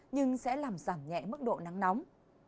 nhưng sẽ làm giảm nhẹ mức độ nắng nóng